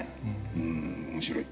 うん面白い。